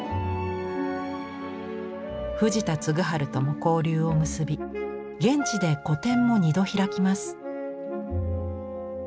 藤田嗣治とも交流を結び現地で個展も２度開きます。